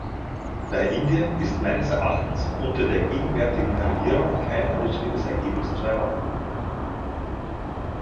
Bei Indien ist meines Erachtens unter der gegenwärtigen Regierung kein positives Ergebnis zu erwarten.